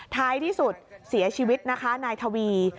ท้ายที่สุดเสียชีวิตนะคะนายทวี